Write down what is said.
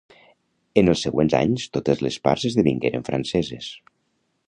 En els següents anys totes les parts esdevingueren franceses.